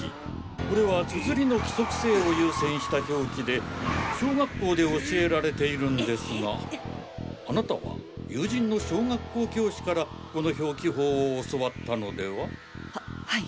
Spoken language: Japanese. これはつづりの規則性を優先した表記で小学校で教えられているんですがあなたは友人の小学校教師からこの表記法を教わったのでは？ははい。